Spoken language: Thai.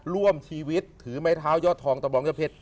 ร่วมชีวิตถือไม้เท้ายอดทองตะบองยอดเพชร